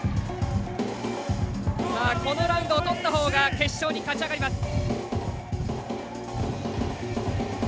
さあこのラウンドを取ったほうが決勝に勝ち上がります。